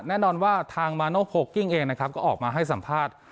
แน่นอนว่าทางเองนะครับก็ออกมาให้สัมภาษณ์